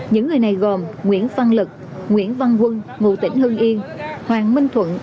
những người này gồm nguyễn văn lực nguyễn văn quân ngụ tỉnh hưng yên hoàng minh thuận